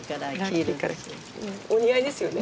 お似合いですよね。